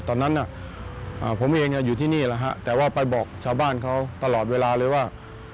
ตอนนั้นผมเองอยู่ที่นี่แหละฮะแต่ว่าไปบอกชาวบ้านเขาตลอดเวลาเลยว่า